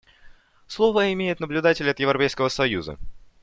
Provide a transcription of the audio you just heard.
Слово имеет наблюдатель от Европейского союза.